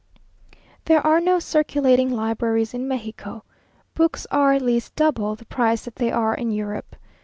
There are no circulating libraries in Mexico. Books are at least double the price that they are in Europe.